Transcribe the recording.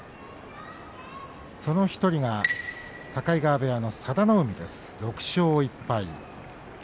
その１人が境川部屋の佐田の海です、６勝１敗。